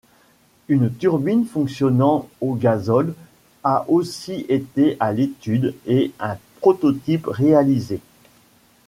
Une turbine fonctionnant au gazole a aussi été à l'étude et un prototype réalisé.